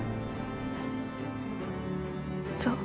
そう。